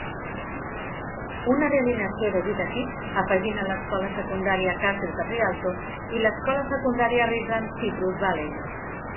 Una re-alineació de vuit equips afegint l'Escola Secundària Carter de Rialto i l'Escola Secundària Redlands Citrus Valley.